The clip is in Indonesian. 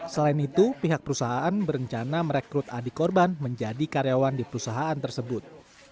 selain itu pihak perusahaan berencana merekrut adik korban menjadi karyawan di perusahaan tersebut